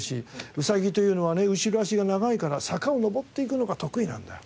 「ウサギというのはね後ろ脚が長いから坂を上っていくのが得意なんだよ。